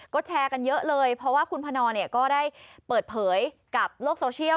ก็แชร์กันเยอะเลยเพราะว่าคุณพนเนี่ยก็ได้เปิดเผยกับโลกโซเชียล